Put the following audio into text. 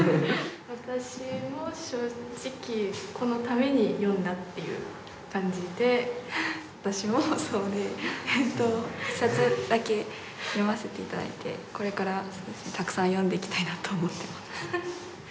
私も正直このために読んだっていう感じで私もそうでえと１冊だけ読ませていただいてこれからそうですねたくさん読んでいきたいなと思ってます